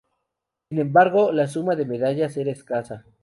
Sin embargo, la suma de medallas era escasa.